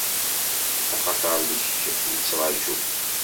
Axaṭer deg-k i ttraǧuɣ.